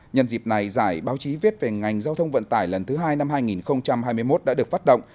nhân dịp này giải báo chí viết về ngành giao thông vận tải lần thứ hai năm hai nghìn hai mươi một đã được phát động